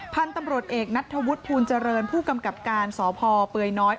พันธุ์ตำรวจเอกนัทธวุฒิภูลเจริญผู้กำกับการสพเปื่อยน้อย